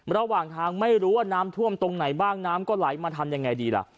ระหว่างทางไม่รู้ว่าน้ำท่วมตรงไหนบ้างน้ำก็ไหลมาทำยังไงดีล่ะ